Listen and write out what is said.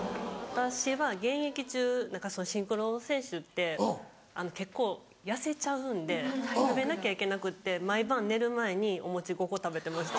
私は現役中シンクロの選手って結構痩せちゃうんで食べなきゃいけなくって毎晩寝る前にお餅５個食べてました。